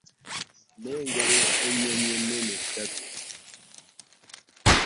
Nnengera ennyonyi ennene ssatu.